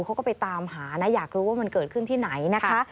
เขาก็ไปตามหานะอยากรู้ว่ามันเกิดขึ้นที่ไหนนะคะ